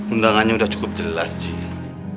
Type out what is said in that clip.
undangannya sudah cukup jelas sih